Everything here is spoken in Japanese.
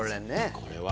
これは。